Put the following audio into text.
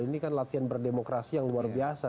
ini kan latihan berdemokrasi yang luar biasa